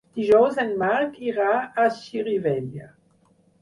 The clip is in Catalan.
Dijous en Marc irà a Xirivella.